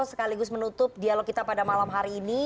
sekaligus menutup dialog kita pada malam hari ini